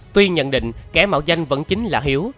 tuy nhận định kẻ mạo danh vẫn chính là hiếu